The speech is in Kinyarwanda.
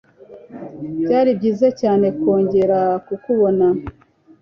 Byari byiza cyane kongera kukubona.